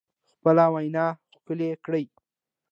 خپله وینا ښکلې کړئ